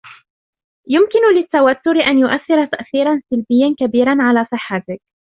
يمكن للتوتر أن يؤثر تأثيرا سلبيا كبيرا على صحتك.